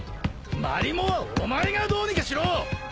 マリモはお前がどうにかしろ！